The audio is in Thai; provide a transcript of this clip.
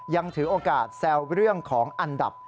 ยังถือโอกาสแซวเรื่องของอันดับ